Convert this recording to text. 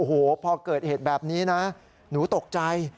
โอ้โหพอเกิดเหตุแบบนี้นะหนูตกใจ